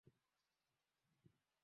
nyi mnapingana kwa sababu sera zenu hazi